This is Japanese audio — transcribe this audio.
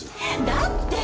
だって！